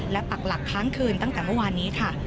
และปักหลักค้างคืนตั้งแต่เมื่อวานนี้ค่ะ